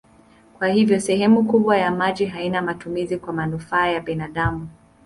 Kwa hiyo sehemu kubwa ya maji haina matumizi kwa manufaa ya binadamu.